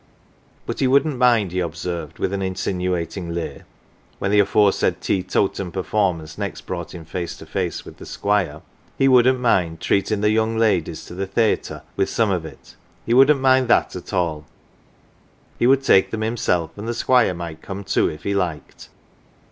But he woukhrt mind, he observed with an insinuating leer, when the aforesaid teetotum performance next brought him face to face with the squire, he wouldn't mind treatin 1 the young ladies to the theayter with some of it, he wouldn't mind that at all ; he would take them himself, an" 1 the squire might come too if he liked.